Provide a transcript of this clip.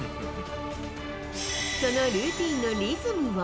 そのルーティンのリズムは。